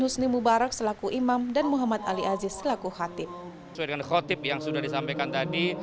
husni mubarak selaku imam dan muhammad ali aziz selaku khatib sesuai dengan khotib yang sudah disampaikan tadi